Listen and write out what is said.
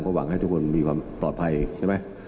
หวังให้ทุกคนมีความปลอดภัยใช่ไหม